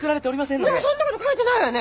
でもそんなこと書いてないわよね。